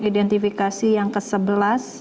identifikasi yang ke sebelas